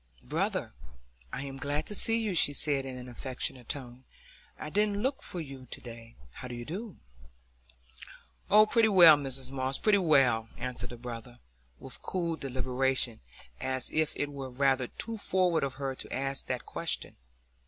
"Brother, I'm glad to see you," she said, in an affectionate tone. "I didn't look for you to day. How do you do?" "Oh, pretty well, Mrs Moss, pretty well," answered the brother, with cool deliberation, as if it were rather too forward of her to ask that question.